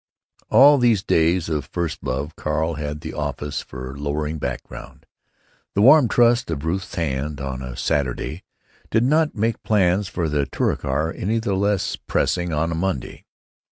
All these days of first love Carl had the office for lowering background. The warm trust of Ruth's hand on a Saturday did not make plans for the Touricar any the less pressing on a Monday.